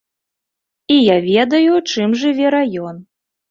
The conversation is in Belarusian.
І я ведаю, чым жыве раён.